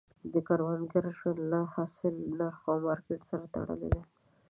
د کروندګر ژوند له حاصل، نرخ او مارکیټ سره تړلی وي.